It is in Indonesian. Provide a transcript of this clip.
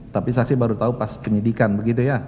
tapi saksi baru tahu pas penyidikan begitu ya